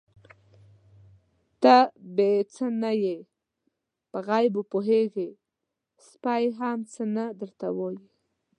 _ته بې څه نه يې، په غيبو پوهېږې، سپی هم څه نه درته وايي.